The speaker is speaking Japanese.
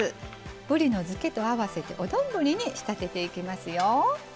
ぶりのづけにあわせてお丼に、仕上げていきますよ。